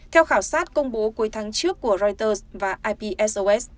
theo khảo sát công bố cuối tháng trước của reuters và ipsos